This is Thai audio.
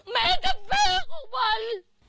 แม้จะเลี้ยงมัน